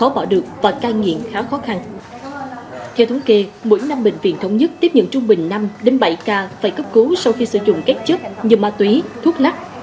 bệnh viện thống nhất tiếp nhận trung bình năm bảy ca phải cấp cứu sau khi sử dụng kết chất như ma túy thuốc lắc